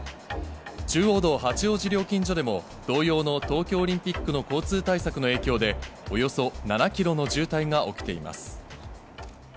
中央道八王子料金所でも、同様の東京オリンピックの交通対策の影響で、およそ７キロの渋滞が起きています。